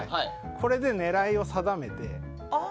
これで狙いを定めて。